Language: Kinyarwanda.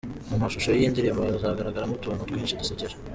Mu mashusho y'iyi ndirimbo hazagaragaramo utuntu twinshi dusekeje.